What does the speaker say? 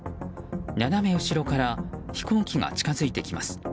斜め後ろから飛行機が近づいてきます。